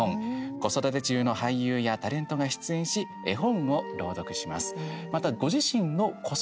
子育て中の俳優やタレントが出演し、絵本を朗読します。